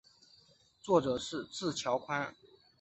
作者是椎桥宽。